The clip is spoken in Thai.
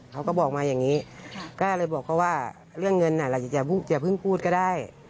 เขาก็บอกมาอย่างนี้ก็เลยบอกเขาว่าเรื่องเงินอย่าเพิ่งพูดก็ได้